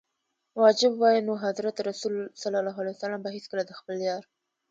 واجب وای نو حضرت رسول ص به هیڅکله د خپل یار.